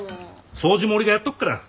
掃除も俺がやっとくから。